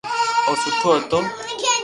او سٺو ھتو